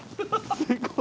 すごい。